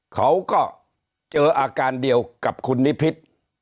เขาก็เจออาการเดียวกับคุณนิพิษ